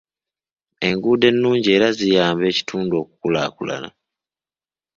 Enguudo ennungi era ziyamba ekitundu okukulaakulana.